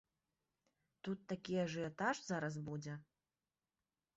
Тут такі ажыятаж зараз будзе!